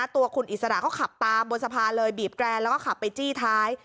ตัวคุณอิสระเขาขับตามบนสะพานเลยบีบแกรนแล้วก็ขับไปจี้ท้าย